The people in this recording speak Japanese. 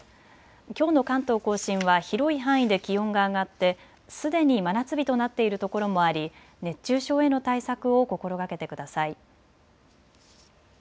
きょうの関東甲信は広い範囲で気温が上がってすでに真夏日となっているところもあり、熱中症への対策を心がけてください。